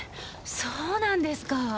そうなんですか！